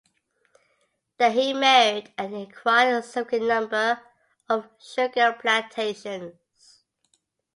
There he married and acquired significant number of sugar plantations.